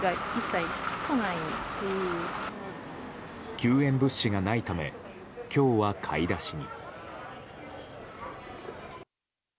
救援物資がないため今日は買い出しに。